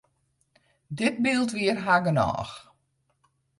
Dit byld wie har genôch.